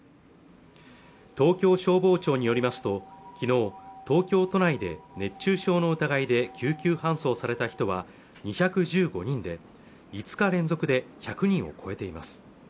東京消防庁によりますときのう東京都内で熱中症の疑いで救急搬送された人は２１５人で５日連続で１００人を超えています